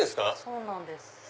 そうなんです。